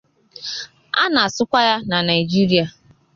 Ana-asụkwa ya na Naijiria.